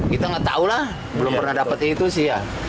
kita nggak tahu lah belum pernah dapat itu sih ya